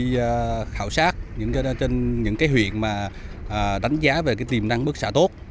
đi khảo sát những cái huyện mà đánh giá về cái tiềm năng bức xã tốt